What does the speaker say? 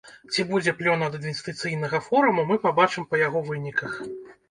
Ці будзе плён ад інвестыцыйнага форуму, мы пабачым па яго выніках.